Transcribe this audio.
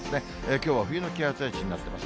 きょうは冬の気圧配置になっています。